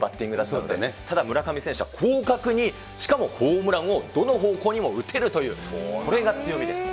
ただ村上選手は、村上選手は広角に、しかもホームランをどの方向にも打てるという、これが強みです。